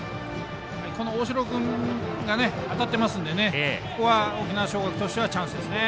この大城君が当たっていますのでここは沖縄尚学としてはチャンスですね。